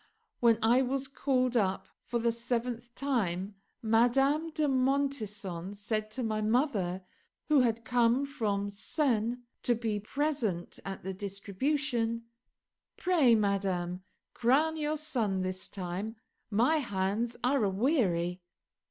When I was called up for the seventh time Madame de Montesson said to my mother, who had come from Sens to be present at the distribution, "Pray, madame, crown your son this time; my hands are a weary."